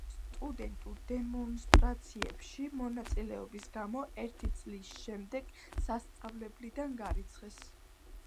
სტუდენტურ დემონსტრაციებში მონაწილეობის გამო ერთი წლის შემდეგ სასწავლებლიდან გარიცხეს.